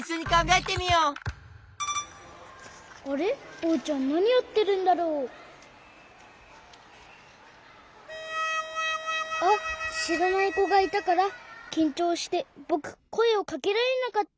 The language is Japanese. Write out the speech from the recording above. おうちゃんなにやってるんだろう？あっしらないこがいたからきんちょうしてぼくこえをかけられなかった。